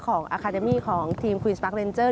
ของอาคาเดมี่ของทีมควินส์บาร์คเลนเจอร์